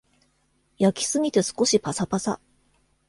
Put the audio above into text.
焼きすぎて少しパサパサ